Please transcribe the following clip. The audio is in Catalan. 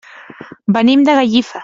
Venim de Gallifa.